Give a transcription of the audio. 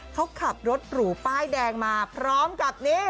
เขาขับรถหรูป้ายแดงมาพร้อมกับนี่